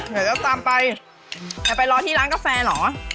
เดี๋ยวจะตามไปเดี๋ยวไปรอที่ร้านกาแฟเหรอ